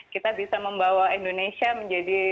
kita bisa membawa indonesia menjadi